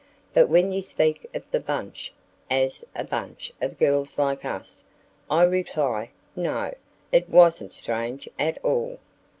But when you speak of the 'bunch' as a 'bunch of girls like us,' I reply 'No, it wasn't strange at all'."